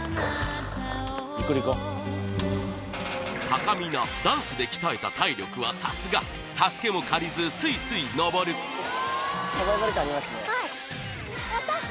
たかみなダンスで鍛えた体力はさすが助けも借りずスイスイ登るはい